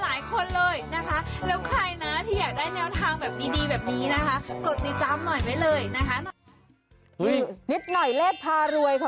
แล้วใครที่อยากได้แนวทางดีแบบนี้นะคะกดติดตามหน่อยไว้เลยนะคะ